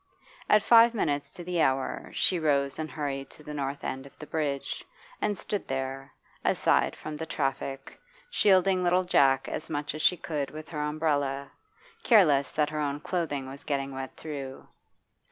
At five minutes to the hour she rose and hurried to the north end of the bridge, and stood there, aside from the traffic, shielding little Jack as much as she could with her umbrella, careless that her own clothing was getting wet through.